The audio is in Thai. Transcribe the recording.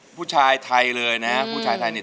ผู้ชายไทยเลยนะผู้ชายไทยเนี่ย